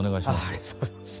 ありがとうございます。